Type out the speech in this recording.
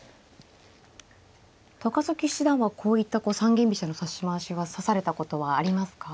七段はこういった三間飛車の指し回し指されたことはありますか。